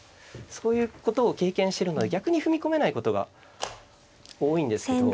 そういうことを経験しているので逆に踏み込めないことが多いんですけど。